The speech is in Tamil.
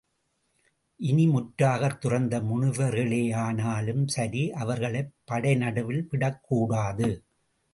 இனி முற்றத் துறந்த முனிவர்களேயானாலும் சரி அவர்களைப் படை நடுவில் விடக் கூடாது.